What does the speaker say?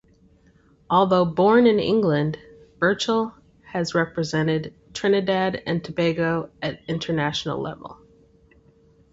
Although born in England, Birchall has represented Trinidad and Tobago at international level.